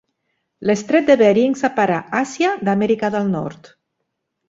L'Estret de Bering separa Àsia d'Amèrica del Nord.